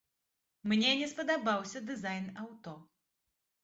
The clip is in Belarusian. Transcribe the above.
Мне не спадабаўся дызайн аўто.